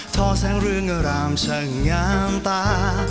ท่อแสงเรืองรามช่างงามตา